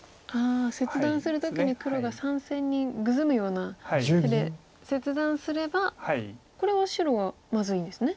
切断する時に黒が３線にグズむような手で切断すればこれは白はまずいんですね。